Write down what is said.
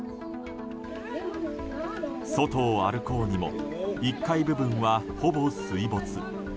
外を歩こうにも１階部分は、ほぼ水没。